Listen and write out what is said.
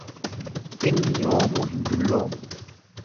Inni yoomuu hin dulloomu.